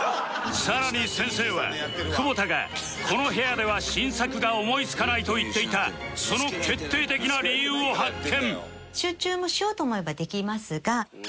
さらに先生は久保田がこの部屋では新作が思いつかないと言っていたその決定的な理由を発見